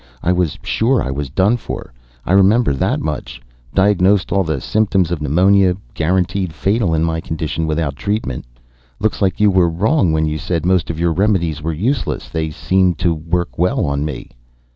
I was sure I was done for, I remember that much. Diagnosed all the symptoms of pneumonia. Guaranteed fatal in my condition without treatment. Looks like you were wrong when you said most of your remedies were useless they seemed to work well on me."